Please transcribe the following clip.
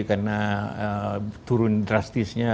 karena turun drastisnya